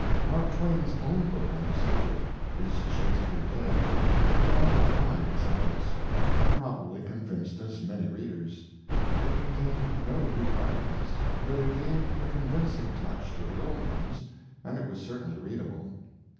Mark Twain's own book on the subject 'Is Shakespeare Dead?' found a wide acceptance, and probably convinced as many readers. It contained no new arguments; but it gave a convincing touch to the old ones, and it was certainly readable.